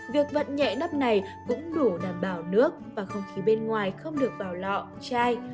việc vận nhẹ nắp này cũng đủ đảm bảo nước và không khí bên ngoài không được vào lọ chai